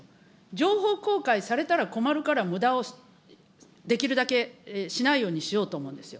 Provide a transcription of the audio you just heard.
情報公開されたら困るから、むだをできるだけしないようにしようと思うんですよ。